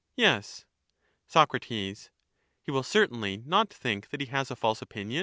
Yes. I^^^Xdle. Soc, He will certainly not think that he has a false opinion